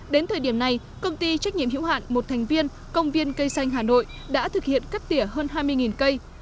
đến thời điểm này công ty trách nhiệm hữu hạn một thành viên công viên cây xanh hà nội đã thực hiện cắt tỉa hơn hai mươi cây